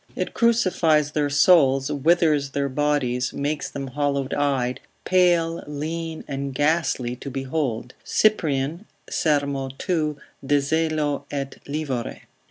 It crucifies their souls, withers their bodies, makes them hollow eyed, pale, lean, and ghastly to behold, Cyprian, ser. 2. de zelo et livore.